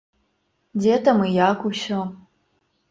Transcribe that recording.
Дзе там і як усё.